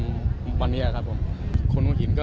ต่างร่วมมือที่ร้านค้าโรงแรมในหัวหินนะคะ